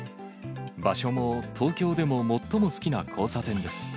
場所も東京でも最も好きな交差点です。